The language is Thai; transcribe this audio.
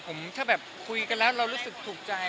ผมถ้าแบบคุยกันแล้วเรารู้สึกถูกใจ